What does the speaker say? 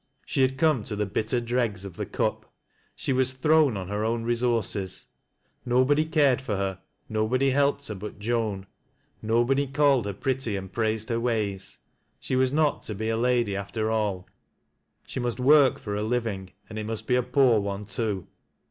She had come to the bittei dregs of the cup. She was thrown on her own resources, nobody eared for her, nobody helped her but Joau, no body called her pretty and praised her ways. She was not tc be a lady after all, she must work for her living and it oaust be a poor one too.